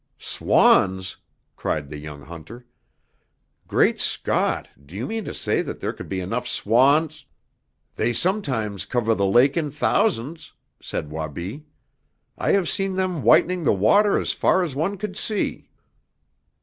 "Swans!" cried the young hunter. "Great Scott, do you mean to say there could be enough swans " "They sometimes cover the lake in thousands," said Wabi. "I have seen them whitening the water as far as one could see."